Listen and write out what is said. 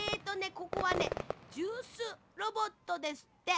ここはねジュースロボットですって。